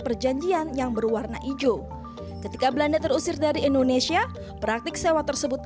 perjanjian yang berwarna hijau ketika belanda terusir dari indonesia praktik sewa tersebut